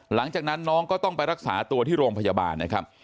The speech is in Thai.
หลังจากนั้นน้องก็ต้องไปรักษาตัวที่โรงพยาบาลนะครับ